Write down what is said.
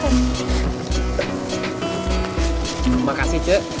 terima kasih cik